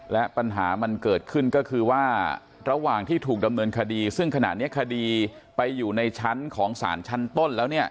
และปัญหามันเกิดขึ้นก็คือว่าระหว่างที่ถูกดำเนินคดีซึ่งขณะนี้คดีไปอยู่ในชั้นของสารชั้นต้นแล้วเนี่ย